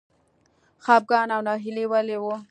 خپګان او ناهیلي ولې وه.